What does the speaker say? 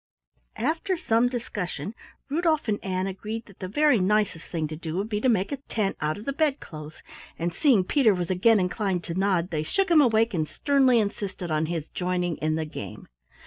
After some discussion Rudolf and Ann agreed that the very nicest thing to do would be to make a tent out of the bedclothes, and seeing Peter was again inclined to nod, they shook him awake and sternly insisted on his joining in the game.